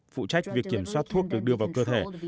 phụ trách việc kiểm soát thuốc được đưa vào cơ thể